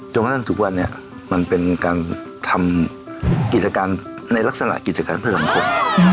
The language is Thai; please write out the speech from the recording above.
กระทั่งทุกวันนี้มันเป็นการทำกิจการในลักษณะกิจการเพื่อสังคม